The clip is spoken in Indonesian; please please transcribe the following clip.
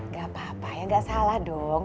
gak apa apa ya nggak salah dong